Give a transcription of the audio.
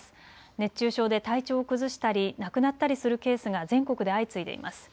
熱中症で体調を崩したり亡くなったりするケースが全国で相次いでいます。